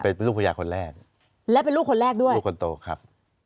เป็นลูกภรรยาคนแรกและเป็นลูกคนแรกด้วยลูกคนโตครับ